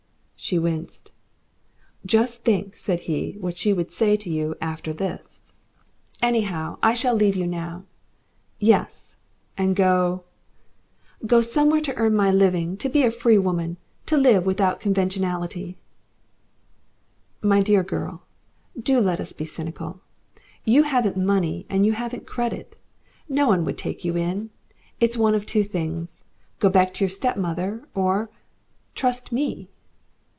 She winced. "Just think," said he, "what she could say to you after this." "Anyhow, I shall leave you now." "Yes? And go " "Go somewhere to earn my living, to be a free woman, to live without conventionality " "My dear girl, do let us be cynical. You haven't money and you haven't credit. No one would take you in. It's one of two things: go back to your stepmother, or trust to me."